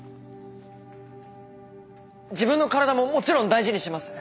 自分の体ももちろん大事にします。